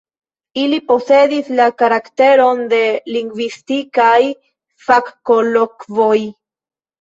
Ili posedis la karakteron de lingvistikaj fakkolokvoj.